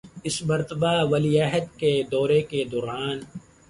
اس مرتبہ ولی عہد کے دورہ کے دوران